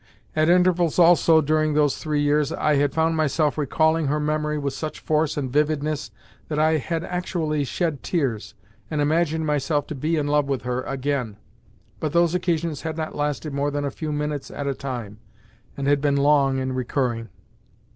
At intervals, also, during those three years, I had found myself recalling her memory with such force and vividness that I had actually shed tears, and imagined myself to be in love with her again, but those occasions had not lasted more than a few minutes at a time, and had been long in recurring.